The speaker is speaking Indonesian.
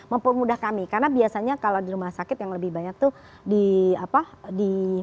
mempermudah kami karena biasanya kalau di rumah sakit yang lebih banyak tuh di apa di